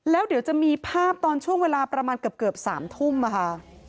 แล้วเดี๋ยวจะมีภาพตอนช่วงเวลาประมาณเกือบ๓ทุ่มค่ะ